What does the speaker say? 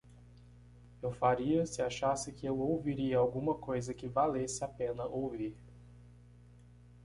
Eu faria se achasse que eu ouviria alguma coisa que valesse a pena ouvir.